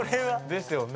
ですよね。